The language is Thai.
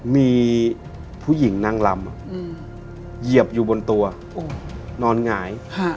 มีผู้หญิงนั่งลำเหยียบอยู่บนตัวนอนหงาย